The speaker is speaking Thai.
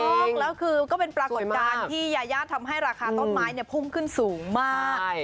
ถูกต้องแล้วคือก็เป็นปรากฏการณ์ที่ยายาทำให้ราคาต้นไม้พุ่งขึ้นสูงมาก